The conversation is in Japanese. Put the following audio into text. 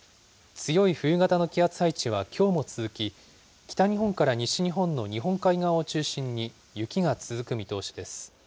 強い冬型の気圧配置はきょうも続き、北日本から西日本の日本海側を中心に雪が続く見通しです。